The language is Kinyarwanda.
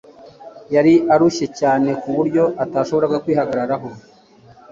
yari ananiwe cyane ku buryo atashoboraga kwihagararaho